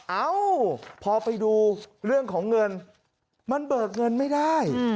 เอ้าพอไปดูเรื่องของเงินมันเบิกเงินไม่ได้